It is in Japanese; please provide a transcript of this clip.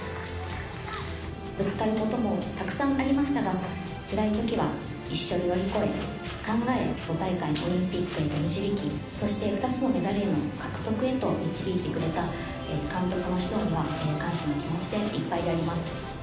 ぶつかることもたくさんありましたが、つらいときは一緒に乗り越え、考え、５大会のオリンピックへ導き、そして２つのメダルへの獲得へと導いてくれた監督の指導には、感謝の気持ちでいっぱいでありま